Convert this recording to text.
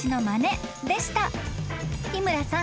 ［日村さん。